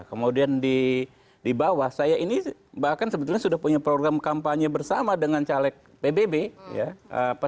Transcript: kemudian di bawah saya ini bahkan sebetulnya sudah punya program kampanye bersama dengan caleg pbb ya